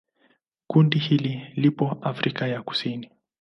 Kundi hili lipo Afrika ya Kusini.